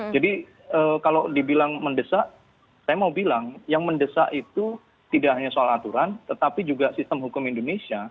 jadi kalau dibilang mendesak saya mau bilang yang mendesak itu tidak hanya soal aturan tetapi juga sistem hukum indonesia